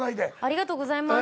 ありがとうございます。